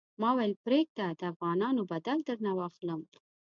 ما ویل پرېږده د افغانانو بدل درنه واخلم.